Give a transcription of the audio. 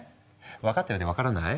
分かったようで分からない？